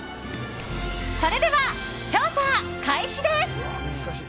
それでは調査開始です！